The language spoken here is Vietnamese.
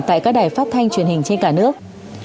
tại các đài phát thanh truyền hình trên cả nước